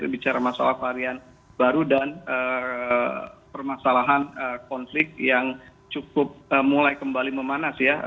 bicara masalah varian baru dan permasalahan konflik yang cukup mulai kembali memanas ya